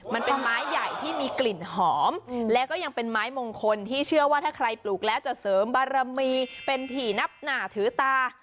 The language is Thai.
มันเป็นไม้ใหญ่ที่มีกลิ่นหอมแล้วก็ยังเป็นไม้มงคลที่เชื่อว่าถ้าใครปลูกแล้วจะเสริมบารมีเป็นถี่นับหนาถือตา